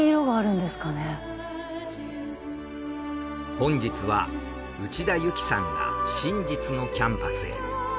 本日は内田有紀さんが真実のキャンパスへ。